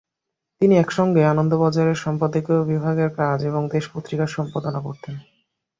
তিনি একসঙ্গে আনন্দবাজারের সম্পাদকীয় বিভাগের কাজ এবং 'দেশ' পত্রিকার সম্পাদনা করতেন।